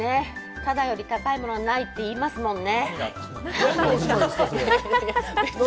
タダより高いものはないって言いますもんね。